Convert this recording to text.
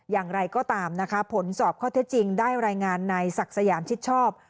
อย่างไรก็ตามนะคะผลสอบข้อเท็จจริงได้รายงานในศักดิ์สยามชิดชอบ